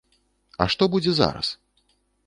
А што будзе зараз?